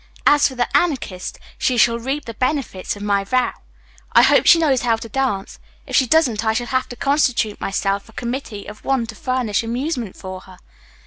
As for the Anarchist, she shall reap the benefit of my vow. I hope she knows how to dance. If she doesn't I shall have to constitute myself a committee of one to furnish amusement for her.